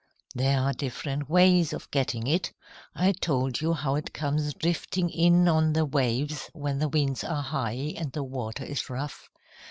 "There are different ways of getting it. I told you how it comes drifting in on the waves when the winds are high and the water is rough.